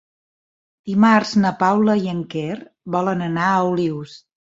Dimarts na Paula i en Quer volen anar a Olius.